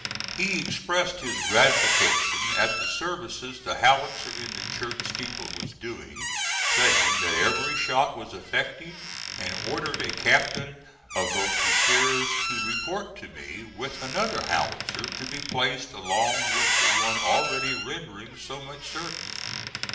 He expressed his gratification at the services the howitzer in the church steeple was doing, saying that every shot was effective, and ordered a captain of voltigeurs to report to me with another howitzer to be placed along with the one already rendering so much service.